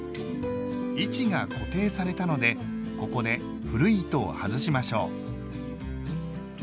位置が固定されたのでここで古い糸を外しましょう。